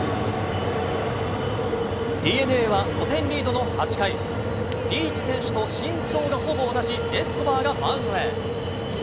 ＤｅＮＡは、５点リードの８回、リーチ選手と身長がほぼ同じ、エスコバーがマウンドへ。